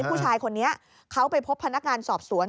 ผู้ชายคนนี้เขาไปพบพนักงานสอบสวน